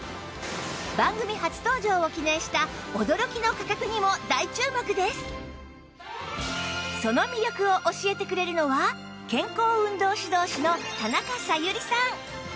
番組初登場を記念したその魅力を教えてくれるのは健康運動指導士の田中咲百合さん